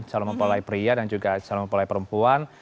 calon mempelai pria dan juga calon mempelai perempuan